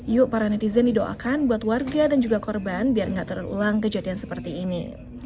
yuk para netizen didoakan buat warga dan juga korban biar nggak terulang kejadian seperti ini